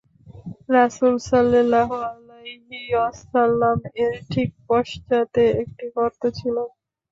রাসূল সাল্লাল্লাহু আলাইহি ওয়াসাল্লাম-এর ঠিক পশ্চাতে একটি গর্ত ছিল।